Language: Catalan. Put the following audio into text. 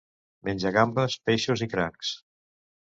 Menja gambes, peixos i crancs.